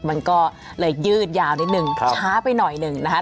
มันก็เลยยืดยาวนิดนึงช้าไปหน่อยหนึ่งนะคะ